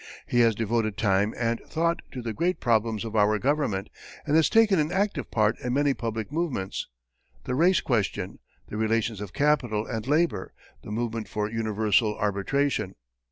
He has devoted time and thought to the great problems of our government, and has taken an active part in many public movements the race question, the relations of capital and labor, the movement for universal arbitration.